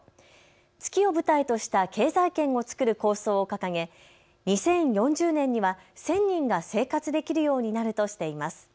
月を舞台とした経済圏を作る構想を掲げ２０４０年には１０００人が生活できるようになるとしています。